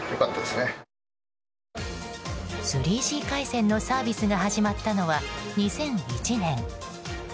３Ｇ回線のサービスが始まったのは２００１年。